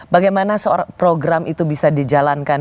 bagaimana program itu bisa dijalankan